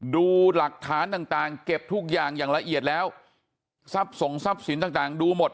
ดูหลักฐานต่างต่างเก็บทุกอย่างอย่างละเอียดแล้วทรัพย์ส่งทรัพย์สินต่างต่างดูหมด